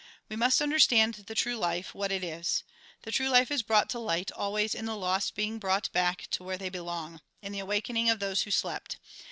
We must understand the true life, what it is. The true hfe is brought to light always in the lost being brought back to where they belong ; in the awakening of those who slept.